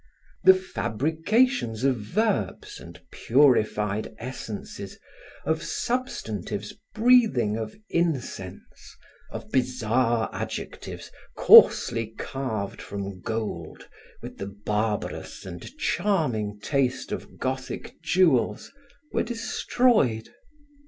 The fabrications of verbs and purified essences, of substantives breathing of incense, of bizarre adjectives, coarsely carved from gold, with the barbarous and charming taste of Gothic jewels, were destroyed.